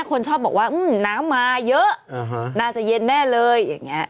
คนชอบบอกว่าน้ำมาเยอะน่าจะเย็นแน่เลยอย่างนี้